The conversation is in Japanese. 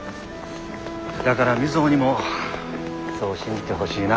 だから瑞穂にもそう信じてほしいな。